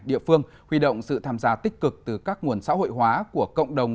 địa phương huy động sự tham gia tích cực từ các nguồn xã hội hóa của cộng đồng